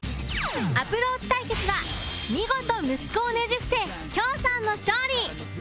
アプローチ対決は見事息子をねじ伏せ恭さんの勝利！